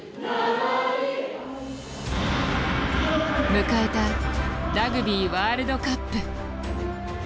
迎えたラグビーワールドカップ。